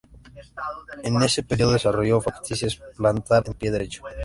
En este periodo desarrolló fascitis plantar en el pie derecho.